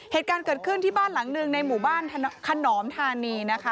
เหตุการณ์เกิดขึ้นที่บ้านหลังหนึ่งในหมู่บ้านขนอมธานีนะคะ